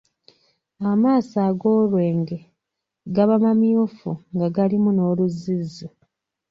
Amaaso ag'olwenge gaba mamyufu nga galimu n’oluzzizzi.